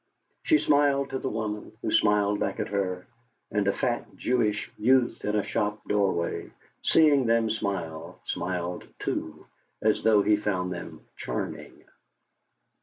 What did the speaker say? She smiled to the woman, who smiled back at her; and a fat Jewish youth in a shop doorway, seeing them smile, smiled too, as though he found them charming.